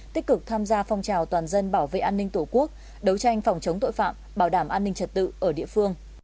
tích cực tham gia phong trào toàn dân bảo vệ an ninh tổ quốc đấu tranh phòng chống tội phạm bảo đảm an ninh trật tự ở địa phương